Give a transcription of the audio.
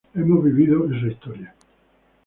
Hemos vivido esa historia.